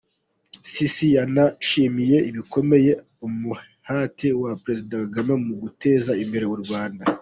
Sisi yanashimye bikomeye umuhate wa Perezida Kagame mu guteza imbere u Rwanda.